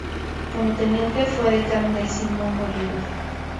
Como teniente fue edecán de Simón Bolívar.